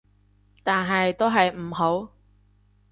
但係都係唔好